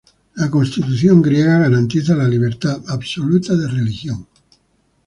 La Constitución griega garantiza la libertad absoluta de religión.